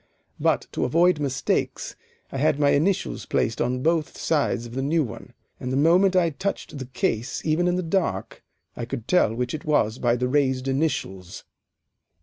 But to avoid mistakes, I had my initials placed on both sides of the new one, and the moment I touched the case, even in the dark, I could tell which it was by the raised initials.